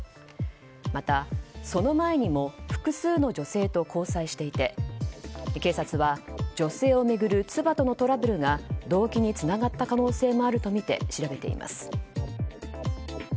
また、その前にも複数の女性と交際していて警察は、女性を巡る妻とのトラブルが動機につながった可能性もあるとみて調べています。